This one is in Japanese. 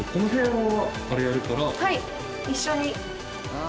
はい一緒に。